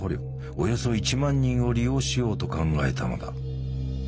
およそ１万人を利用しようと考えたのだ。